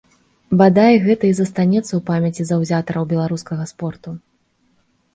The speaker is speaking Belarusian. Бадай, гэта і застанецца ў памяці заўзятараў беларускага спорту.